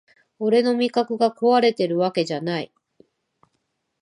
俺の味覚がこわれてるわけじゃない